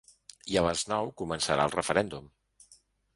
I a les nou començarà el referèndum.